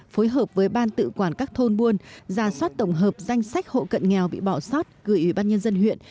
phối hợp với ban tự quản các thôn buôn ra soát tổng hợp danh sách hộ cận nghèo bị bỏ sót gửi ủy ban nhân dân huyện